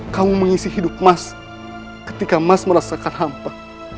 kamu mengisi hidup mas ketika mas merasakan hampa